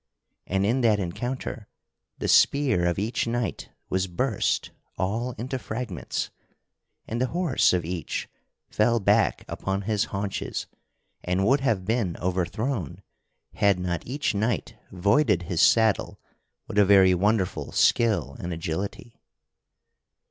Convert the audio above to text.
And in that encounter the spear of each knight was burst all into fragments; and the horse of each fell back upon his haunches and would have been overthrown had not each knight voided his saddle with a very wonderful skill and agility.